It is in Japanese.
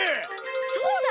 そうだ！